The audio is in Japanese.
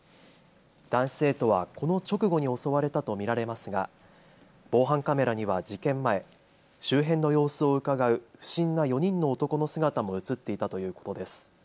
男子生徒はこの直後に襲われたと見られますが防犯カメラには事件前、周辺の様子をうかがう不審な４人の男の姿も写っていたということです。